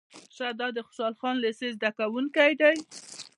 شه دا د خوشحال خان لېسې زده کوونکی دی.